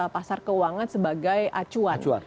pasar keuangan sebagai acuan